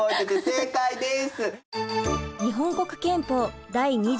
正解です。